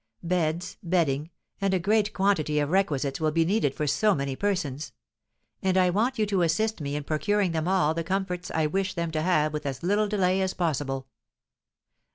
Beds, bedding, and a great quantity of requisites will be needed for so many persons; and I want you to assist me in procuring them all the comforts I wish them to have with as little delay as possible."